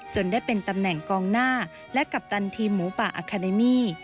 ได้เป็นตำแหน่งกองหน้าและกัปตันทีมหมูป่าอาคาเดมี่